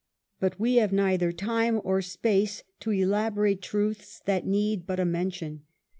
But we have neither time or space to elabo rate truths that need but a mention.